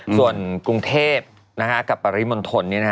ส่วนกรุงเทพกับปริมณฑล